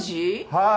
はい。